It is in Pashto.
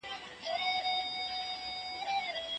هیڅوک باید د خپل عمر په خاطر له ټولنیزو امتیازاتو محروم نه سي.